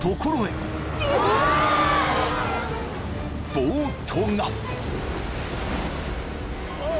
［ボートが］